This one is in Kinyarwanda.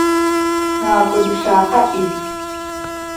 Ntabwo dushaka izoi.